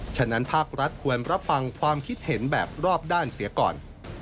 ฉะนั้นภาครัฐควรรับฟังความคิดเห็นแบบรอบด้านเสียก่อน